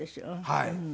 はい。